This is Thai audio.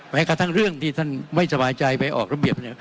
กระทั่งเรื่องที่ท่านไม่สบายใจไปออกระเบียบเนี่ย